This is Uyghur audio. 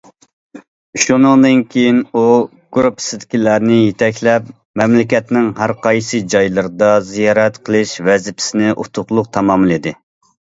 شۇنىڭدىن كېيىن، ئۇ گۇرۇپپىسىدىكىلەرنى يېتەكلەپ، مەملىكەتنىڭ ھەرقايسى جايلىرىدا زىيارەت قىلىش ۋەزىپىسىنى ئۇتۇقلۇق تاماملىدى.